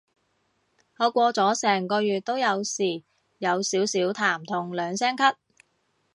我過咗成個月都有時有少少痰同兩聲咳